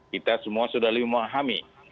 kita semua sudah memahami